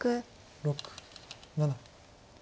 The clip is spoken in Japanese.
６７。